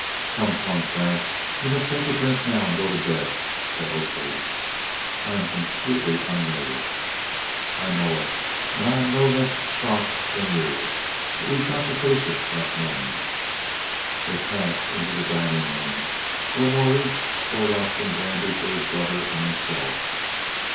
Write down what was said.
"Come, come, Frank, you must take a drink now and go to bed," said Oakley. "I am completely unnerved." "I know it, and I am no less shocked than you. But we 've got to face it like men." They passed into the dining room, where Maurice poured out some brandy for his brother and himself.